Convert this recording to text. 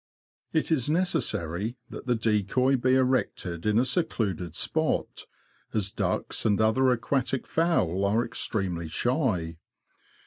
It is necessary that the decoy be erected in a secluded spot, as ducks and other aquatic fowl are extremely shy.